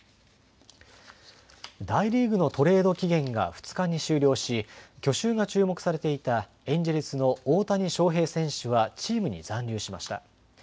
大リーグのトレード期限が２日に終了し去就が注目されていたエンジェルスの大谷翔平選手はチームに残留しました。